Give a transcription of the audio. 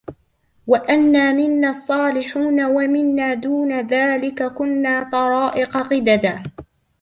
وأنا منا الصالحون ومنا دون ذلك كنا طرائق قددا